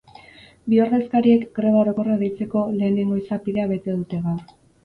Bi ordezkariek greba orokorra deitzeko lehenengo izapidea bete dute gaur.